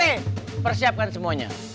kita siapkan semuanya